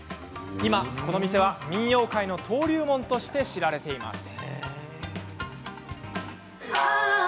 今この店は民謡界の登竜門として知られています。